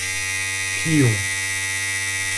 Pium